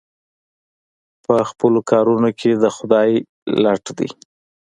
په خپلو کارونو کې د خدای لټ دی.